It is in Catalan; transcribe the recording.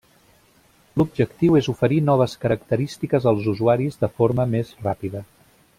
L'objectiu és oferir noves característiques als usuaris de forma més ràpida.